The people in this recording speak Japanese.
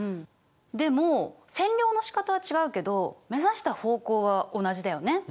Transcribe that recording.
でも占領のしかたは違うけど目指した方向は同じだよね。